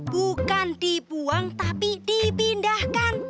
bukan dibuang tapi dipindahkan